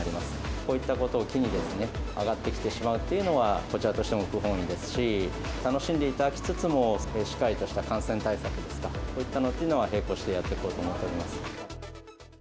こういったことを機にですね、上がってきてしまうっていうのは、こちらとしても不本意ですし、楽しんでいただきつつも、しっかりとした感染対策ですか、こういったものというのは、並行してやっていこうと思っております。